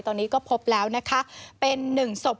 ตอนนี้ก็พบแล้วเป็นหนึ่งศพ